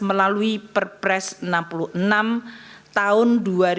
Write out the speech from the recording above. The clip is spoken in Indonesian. melalui perpres enam puluh enam tahun dua ribu dua puluh